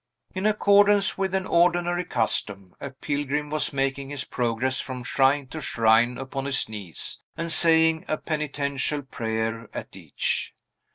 In accordance with an ordinary custom, a pilgrim was making his progress from shrine to shrine upon his knees, and saying a penitential prayer at each.